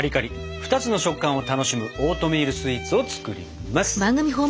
２つの食感を楽しむオートミールスイーツを作ります！